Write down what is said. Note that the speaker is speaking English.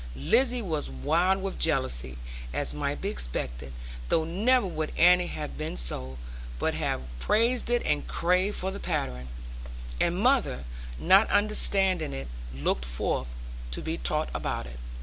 Lizzie was wild with jealousy, as might be expected (though never would Annie have been so, but have praised it, and craved for the pattern), and mother not understanding it, looked forth, to be taught about it.